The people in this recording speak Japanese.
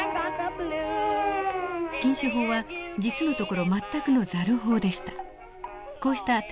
禁酒法は実のところ全くのザル法でした。